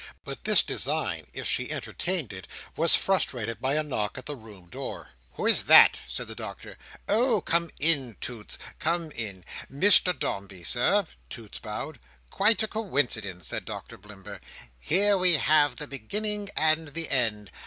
But this design, if she entertained it, was frustrated by a knock at the room door. "Who is that?" said the Doctor. "Oh! Come in, Toots; come in. Mr Dombey, Sir." Toots bowed. "Quite a coincidence!" said Doctor Blimber. "Here we have the beginning and the end.